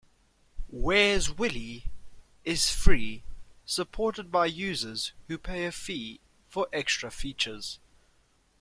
"Where's Willy" is free, supported by users who pay a fee for extra features.